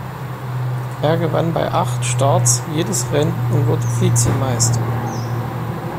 Er gewann bei acht Starts jedes Rennen und wurde Vizemeister.